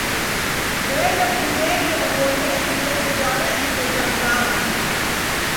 Ndoorekundeghe uw'oneke seji waw'iaseka mbao.